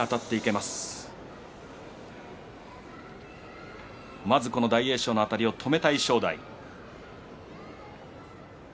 まずこの大栄翔のあたりを止めたい正代。